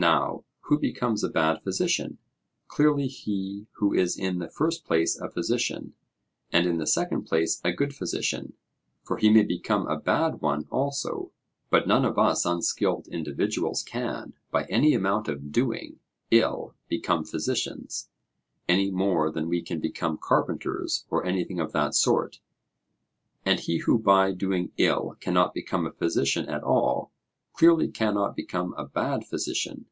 Now who becomes a bad physician? Clearly he who is in the first place a physician, and in the second place a good physician; for he may become a bad one also: but none of us unskilled individuals can by any amount of doing ill become physicians, any more than we can become carpenters or anything of that sort; and he who by doing ill cannot become a physician at all, clearly cannot become a bad physician.